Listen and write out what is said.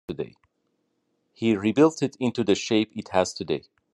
He rebuilt it into the shape it has today.